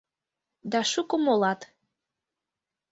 Да шуко молат.